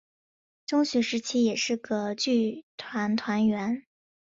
中学时期也是的剧团团员。